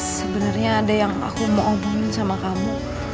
sebenernya ada yang aku mau omongin sama kamu